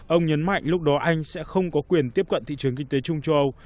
ông nhấn mạnh lúc đó anh sẽ không có quyền tiếp cận thị trường kinh tế chung cho âu